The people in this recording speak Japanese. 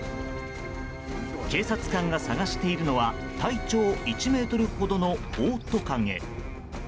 警察官が探しているのは体長１ｍほどのオオトカゲ。